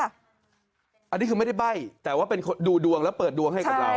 อันนี้คือไม่ได้ใบ้แต่ว่าเป็นคนดูดวงแล้วเปิดดวงให้กับเรา